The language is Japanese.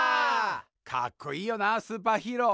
かっこいいよなあスーパーヒーロー。